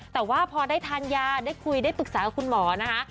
แต่ว่าพอได้ทานยาได้คุยได้ปรึกษากับคุณหมอนะคะ